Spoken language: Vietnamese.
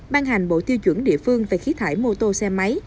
ban hành bộ tiêu chuẩn địa phương về khí thải mô tô xe máy